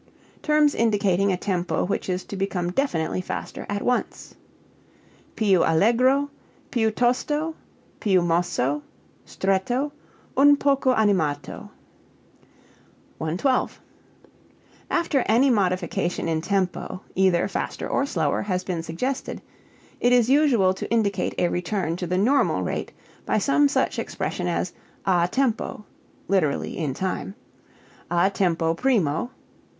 Terms indicating a tempo which is to become definitely faster at once. Più allegro, più tosto, più mosso, stretto, un poco animato. 112. After any modification in tempo (either faster or slower) has been suggested it is usual to indicate a return to the normal rate by some such expression as a tempo (lit. in time), a tempo primo (lit.